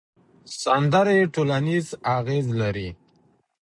سندرې ټولنیز اغېز لري.